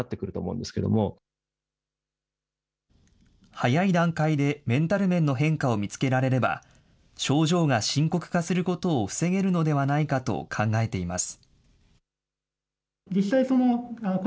早い段階でメンタル面の変化を見つけられれば、症状が深刻化することを防げるのではないかと考えています。